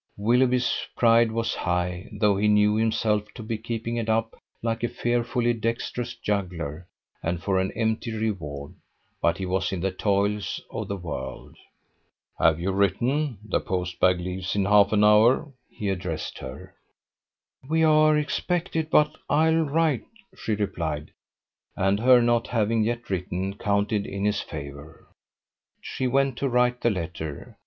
Willoughby's pride was high, though he knew himself to be keeping it up like a fearfully dexterous juggler, and for an empty reward: but he was in the toils of the world. "Have you written? The post bag leaves in half an hour," he addressed her. "We are expected, but I will write," she replied: and her not having yet written counted in his favour. She went to write the letter.